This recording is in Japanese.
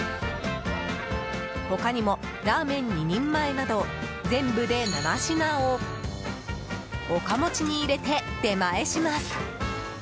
他にもラーメン２人前など全部で７品を岡持ちに入れて出前します。